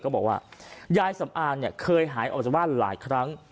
ก็บอกว่ายายสับอาห์หายออกจากบ้านหลายครั้ง